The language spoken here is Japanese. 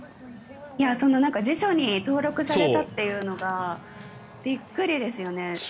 辞書に登録されたというのがびっくりですよね。